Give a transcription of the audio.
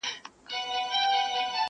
پر موږ راغلې توره بلا ده!.